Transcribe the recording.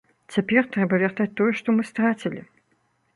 Цяпер трэба вяртаць тое, што мы страцілі.